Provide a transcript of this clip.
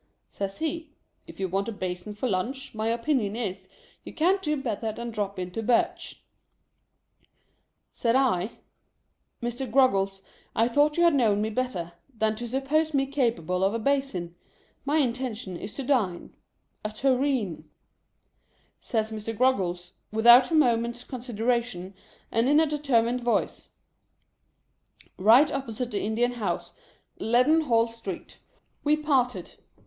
Says he, " If you want a basin for lunch, my opinion is, you can't do better than drop into Birch's." Said I, "Mr. Groggles, I thought you had known me better, than to suppose me capable of a basin. My inten tion is to dine. A tureen." Says Mr. Groggles, without a moment's consideration, and in a determined voice, "Eight opposite the India House, Leadenhall Street." lilVELT TURTLE. 349 We parted.